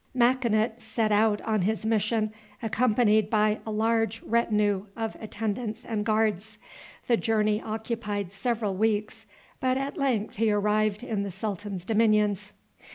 Makinut set out on his mission accompanied by a large retinue of attendants and guards. The journey occupied several weeks, but at length he arrived in the sultan's dominions.